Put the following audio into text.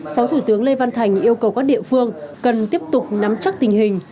phó thủ tướng lê văn thành yêu cầu các địa phương cần tiếp tục nắm chắc tình hình